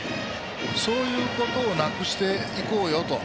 そういうことをなくしていこうよと。